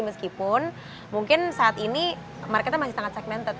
meskipun mungkin saat ini marketnya masih sangat segmented